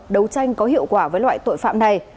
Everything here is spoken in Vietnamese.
đấu tranh có hiệu quả với loại tội phạm này